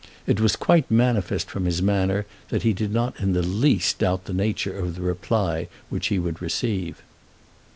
It was quite manifest from his manner that he did not in the least doubt the nature of the reply which he would receive.